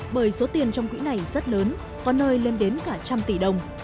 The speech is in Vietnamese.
bởi số tiền trong quỹ này rất lớn có nơi lên đến cả trăm tỷ đồng